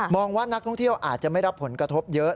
ว่านักท่องเที่ยวอาจจะไม่รับผลกระทบเยอะ